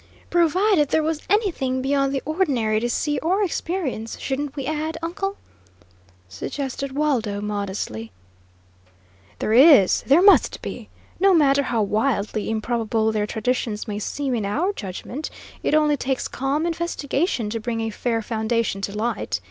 "Provided there was anything beyond the ordinary to see or experience, shouldn't we add, uncle?" suggested Waldo, modestly. "There is, there must be! No matter how wildly improbable their traditions may seem in our judgment, it only takes calm investigation to bring a fair foundation to light.